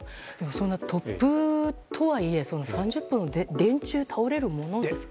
突風とはいえ、３０本も電柱が倒れるものですか？